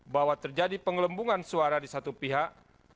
bahwa terjadi pengelembungan suara di satu pihak